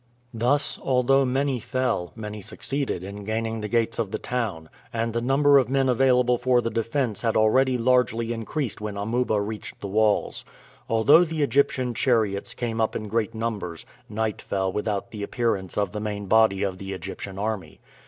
Thus, although many fell, many succeeded in gaining the gates of the town, and the number of men available for the defense had already largely increased when Amuba reached the walls. Although the Egyptian chariots came up in great numbers, night fell without the appearance of the main body of the Egyptian army.